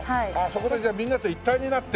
そこでじゃあみんなで一体になって。